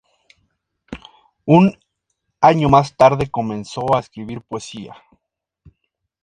Un año más tarde comenzó a escribir poesía.